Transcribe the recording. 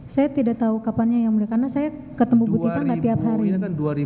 saya tidak tahu kapannya yang mulia karena saya ketemu bu tita nggak tiap hari